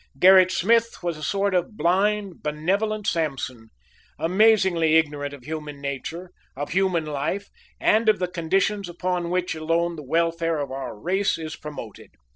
Gerrit Smith was a sort of blind, benevolent Samson, amazingly ignorant of human nature, of human life, and of the conditions upon which alone the welfare of our race is promoted.